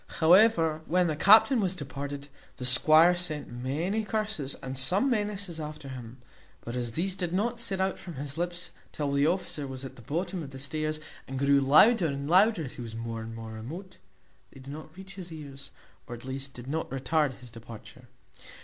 However, when the captain was departed, the squire sent many curses and some menaces after him; but as these did not set out from his lips till the officer was at the bottom of the stairs, and grew louder and louder as he was more and more remote, they did not reach his ears, or at least did not retard his departure.